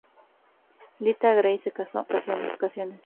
Lita Grey se casó en cuatro ocasiones.